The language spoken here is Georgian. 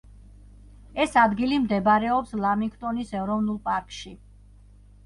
ეს ადგილი მდებარეობს ლამინგტონის ეროვნული პარკში.